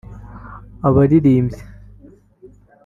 Abaririmbyi